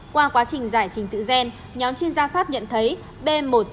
qua quá trình giải trình tự gen nhóm chuyên gia pháp nhận thấy b một sáu trăm bốn mươi